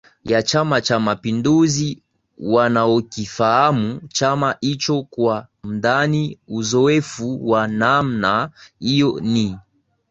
ya Chama cha mapinduzi wanaokifahamu chama hicho kwa undani Uzoefu wa namna hiyo ni